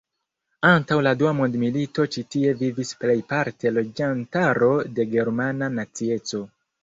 Antaŭ la dua mondmilito ĉi tie vivis plejparte loĝantaro de germana nacieco.